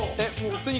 普通に